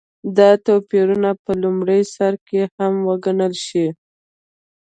دا توپیرونه په لومړي سرکې کم وګڼل شي.